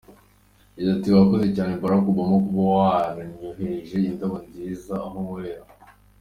Yagize ati :”Wakoze cyane Barack Obama kuba wanyoherereje indabo nziza aho nkorera.